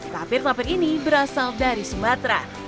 tapir tapir ini berasal dari sumatera